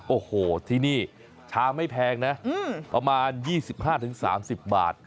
โอ้โหที่นี่ชามไม่แพงนะประมาณ๒๕๓๐บาท